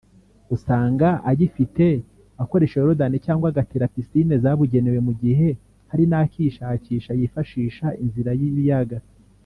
usanga ayifite akoresha Yorodani cyangwa agatira piscine zabugenewe mu gihe hari nakishakisha yifashisha inzira y’ibiyaga